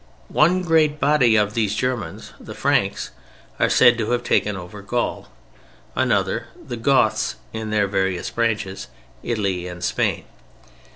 One great body of these Germans, the Franks, are said to have taken over Gaul; another (the Goths, in their various branches) Italy and Spain.